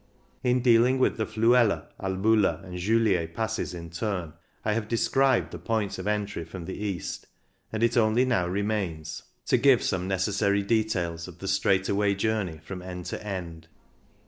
In dealing with the Fluela, Albula, and Julier Passes in turn, I have described the points of entry from the east, and it only now remains to give THE ENGADINE 165 some necessary details of the straightaway journey from end to end.